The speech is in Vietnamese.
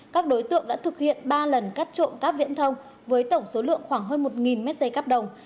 các đối tượng đã thực hiện ba lần cắt trộm cắp viễn thông với tổng số lượng khoảng hơn một mét dây cáp đồng